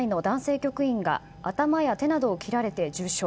局員が頭や手などを切られて重傷。